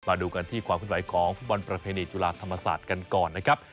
มาดูกันที่ความขึ้นไหวของฟุตบอลประเพณีจุฬาธรรมศาสตร์กันก่อนนะครับ